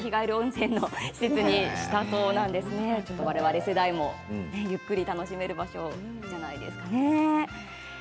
ちょっと我々世代も、ゆっくり楽しめる場所じゃないですかね。